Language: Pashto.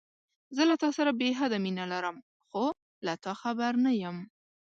زه له تاسره بې حده مينه لرم، خو له تا خبر نه يم.